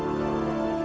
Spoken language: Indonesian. saya tidak tahu